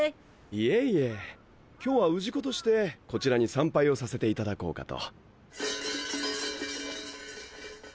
いえいえ今日は氏子としてこちらに参拝をさせていただこうかと。